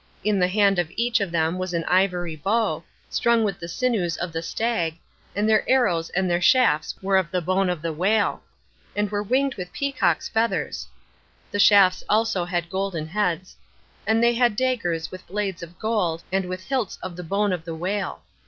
In the hand of each of them was an ivory bow, strung with the sinews of the stag, and their arrows and their shafts were of the bone of the whale, and were winged with peacock's feathers. The shafts also had golden heads. And they had daggers with blades of gold, and with hilts of the bone of the whale.